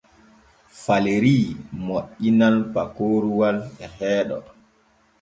Falerii moƴƴinan pakoroowal e heeɗo.